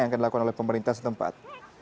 yang akan dilakukan oleh pemerintah setempat